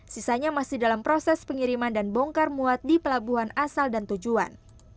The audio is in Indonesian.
sisanya masih dalam proses pengiriman dan bongkar muat di pelabuhan asal dan tujuan